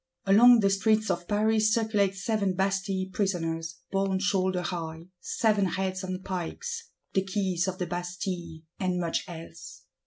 Along the streets of Paris circulate Seven Bastille Prisoners, borne shoulder high: seven Heads on pikes; the Keys of the Bastille; and much else.